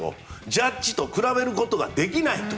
ジャッジと比べることができないと。